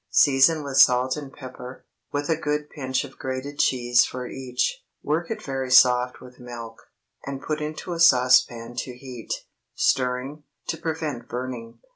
Season with salt and pepper, with a good pinch of grated cheese for each; work it very soft with milk, and put into a saucepan to heat, stirring, to prevent burning.